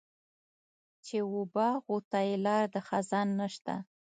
چې و باغ وته یې لار د خزان نشته.